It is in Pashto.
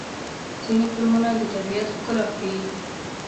ځینې فلمونه د طبیعت ښکلا ښيي.